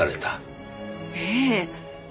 ええ。